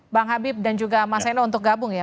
bang habib dan juga mas eno untuk gabung ya